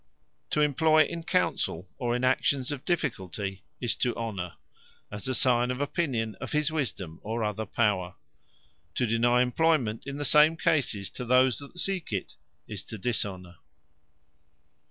To employ in counsell, or in actions of difficulty, is to Honour; as a signe of opinion of his wisdome, or other power. To deny employment in the same cases, to those that seek it, is to Dishonour.